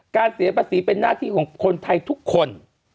เสียภาษีเป็นหน้าที่ของคนไทยทุกคน